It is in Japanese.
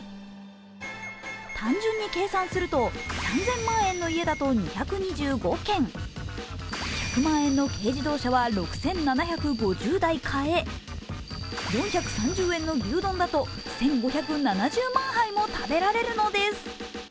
単純に計算すると、３０００万円の家だと２２５軒１００万円の軽自動車は６７５０台買え４３０円の牛丼だと１５７０万杯も食べられるのです。